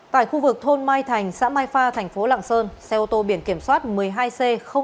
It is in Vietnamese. tại khu vực thôn mai thành xã mai pha thành phố lạng sơn xe ô tô biển kiểm soát một mươi hai c tám nghìn tám trăm sáu mươi hai